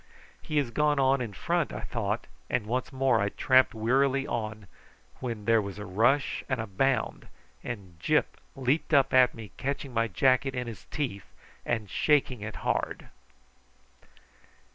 "He has gone on in front," I thought, and once more I tramped wearily on, when there was a rush and a bound and Gyp leaped up at me, catching my jacket in his teeth and shaking it hard.